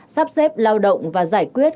sắp xếp lao động và giải quyết